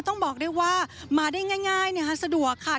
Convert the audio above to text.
ต้องบอกได้ว่ามาได้ง่ายสะดวกค่ะ